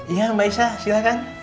iya mbak isah silahkan